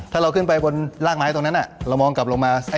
ถ้าเราขึ้นไปบนรากไม้ตรงนั้นเรามองกลับลงมา